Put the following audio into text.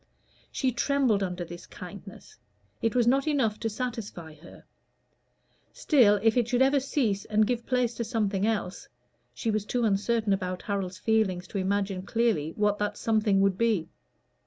She trembled under this kindness: it was not enough to satisfy her; still, if it should ever cease and give place to something else she was too uncertain about Harold's feelings to imagine clearly what that something would be.